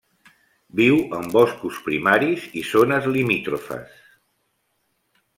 Viu en boscos primaris i zones limítrofes.